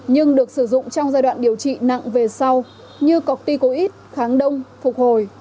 nhưng được sử dụng trong giai đoạn điều trị nặng về sau như corticoid kháng đông phục hồi